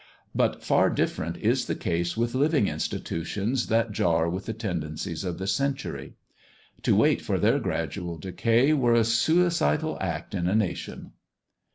But far different is the case with living institutions that jar with the tendencies of the century. To wait for their gradual decay were a suicidal act in a nation.